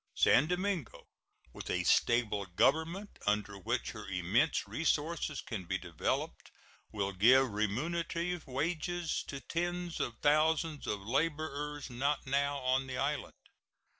San Domingo, with a stable government, under which her immense resources can be developed, will give remunerative wages to tens of thousands of laborers not now on the island.